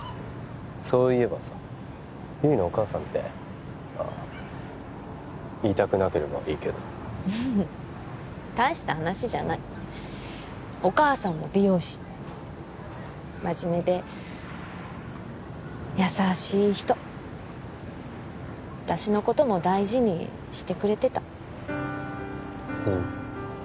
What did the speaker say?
そういえばさ悠依のお母さんってあっ言いたくなければいいけどううん大した話じゃないお母さんも美容師真面目で優しい人私のことも大事にしてくれてたうん